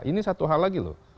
ini satu hal lagi loh